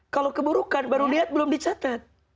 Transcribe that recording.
kalau keburukan baru lihat belum dicatat